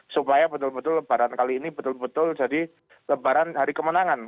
supaya betul betul lebaran kali ini betul betul jadi lebaran hari kemenangan